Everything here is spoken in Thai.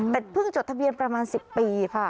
แต่เพิ่งจดทะเบียนประมาณ๑๐ปีค่ะ